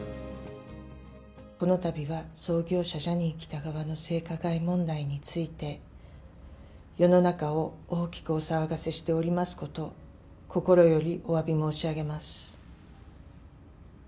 このたびは、創業者、ジャニー喜多川の性加害問題について、世の中を大きくお騒がせしておりますこと、心よりおわび申し上げます。